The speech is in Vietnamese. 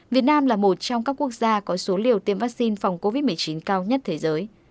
việt nam là một trong các quốc gia có số liều tiêm vaccine phòng covid một mươi chín cao nhất thế giới